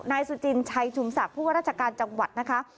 นายสุจินชัยชุมศักดิ์ผู้ว่าราชการจังหวัดนะคะ